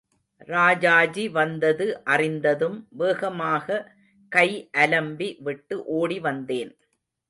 ராஜாஜி வந்தது அறிந்ததும் வேகமாக கை அலம்பி விட்டு ஓடி வந்தேன்.